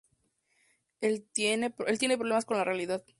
Él tiene problemas con la realidad.